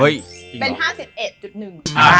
เป็น๕๑จุดหนึ่ง